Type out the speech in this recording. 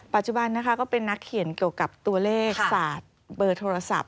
ปัจจุบันนะคะก็เป็นนักเขียนเกี่ยวกับตัวเลขศาสตร์เบอร์โทรศัพท์